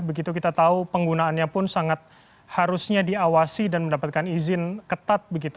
begitu kita tahu penggunaannya pun sangat harusnya diawasi dan mendapatkan izin ketat begitu